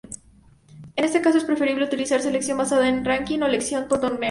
En este caso es preferible utilizar selección basada en ranking o selección por torneo.